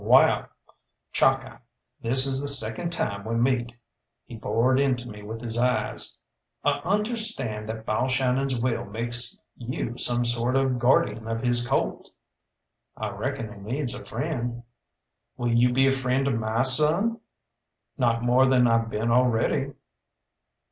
"Wall, Chalkeye, this is the second time we meet," he bored into me with his eyes; "I understand that Balshannon's will makes you some sort of guardian of his colt." "I reckon he needs a friend." "Will you be a friend to my son?" "Not more than I been already."